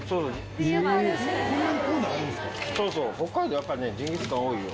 やっぱりねジンギスカン多いよ。